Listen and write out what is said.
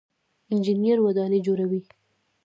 انجنیر ودانۍ جوړوي.